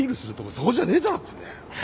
そこじゃねえだろっつうんだよ。